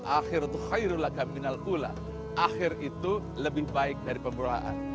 akhir itu lebih baik dari permulaan